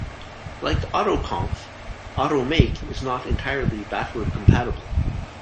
Like Autoconf, Automake is not entirely backward compatible.